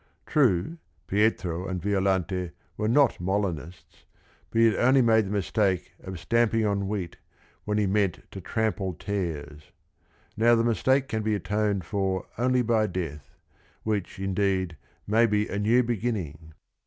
True, Pietro and Violante were not Molinists but he had only made the mistake of "stamping on wheat," when he meant to "trample tares." Now the mistake can be atoned for only by death, which, indeed, may be a new beginning.